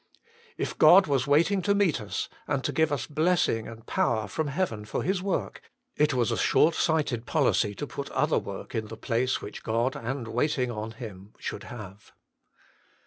If God was waiting to meet us, and to give us blessing and power from heaven for His work, it was a short sighted policy to put other work in the place which God and waiting on Him should have.